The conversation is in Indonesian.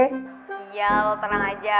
iya lo tenang aja